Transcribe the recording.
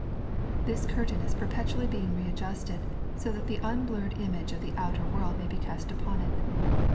This curtain is perpetually being readjusted, ao that the uublurred image of the outer world may be cost upon it.